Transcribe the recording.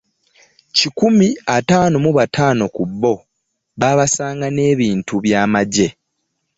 Kikumi ataano mu ttaano ku bo baabasanga n'ebintu by'amagye